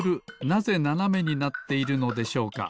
なぜななめになっているのでしょうか？